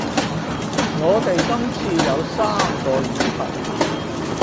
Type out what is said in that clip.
我哋今次有三個議題